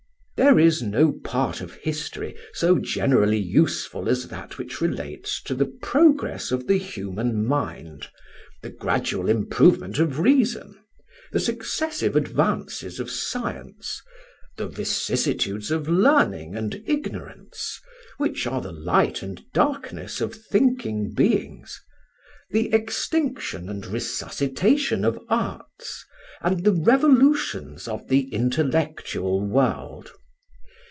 "There is no part of history so generally useful as that which relates to the progress of the human mind, the gradual improvement of reason, the successive advances of science, the vicissitudes of learning and ignorance (which are the light and darkness of thinking beings), the extinction and resuscitation of arts, and the revolutions of the intellectual world.